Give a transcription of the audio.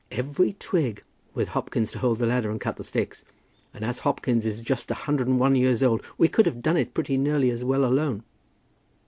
"Every twig, with Hopkins to hold the ladder and cut the sticks; and as Hopkins is just a hundred and one years old, we could have done it pretty nearly as well alone."